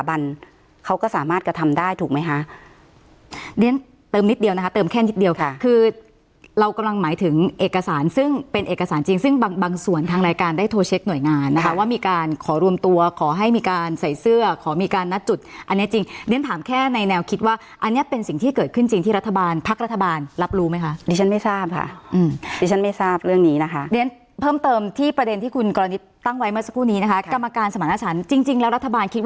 เรียนเติมนิดเดียวนะคะเติมแค่นิดเดียวค่ะคือเรากำลังหมายถึงเอกสารซึ่งเป็นเอกสารจริงซึ่งบางบางส่วนทางรายการได้โทรเช็คหน่วยงานนะคะว่ามีการขอรวมตัวขอให้มีการใส่เสื้อขอมีการนัดจุดอันเนี้ยจริงเรียนถามแค่ในแนวคิดว่าอันเนี้ยเป็นสิ่งที่เกิดขึ้นจริงที่รัฐบาลพักรัฐบา